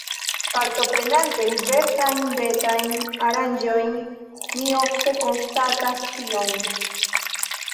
Partoprenante diversajn retajn aranĝojn, mi ofte konstatas tion.